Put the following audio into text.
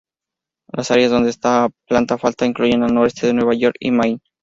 Las áreas donde esta planta falta incluye el noreste de Nueva York y Maine.